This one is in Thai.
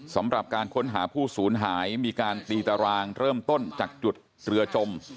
สำหรับการค้นหาผู้สูญหายมีการตีตารางเริ่มต้นจากจุดเรือจม